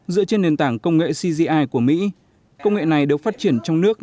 dựa trên nền tảng công nghệ cgi của mỹ công nghệ này được phát triển trong nước